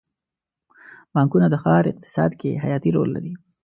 بانکونه د ښار اقتصاد کې حیاتي رول لري.